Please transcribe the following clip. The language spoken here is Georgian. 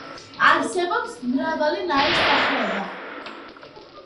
არსებობს მრავალი ნაირსახეობა.